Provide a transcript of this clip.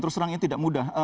terus serangnya tidak mudah